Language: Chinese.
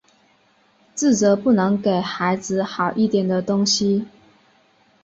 自责不能给孩子好一点的东西